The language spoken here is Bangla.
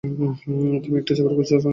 তুমি একটা চাকরি খুঁজছো না কেন?